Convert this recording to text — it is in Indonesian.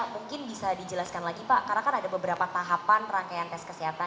mungkin bisa dijelaskan lagi pak karena kan ada beberapa tahapan rangkaian tes kesehatan